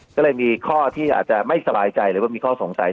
ก็เลยมีข้อที่อาจจะไม่สบายใจเป็นข้อสงสัย